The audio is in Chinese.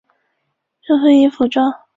陵墓位于庆州市拜洞。